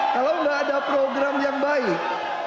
kalau nggak ada program yang baik